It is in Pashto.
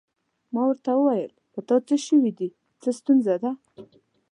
ما ورته وویل: په تا څه شوي دي؟ څه ستونزه ده؟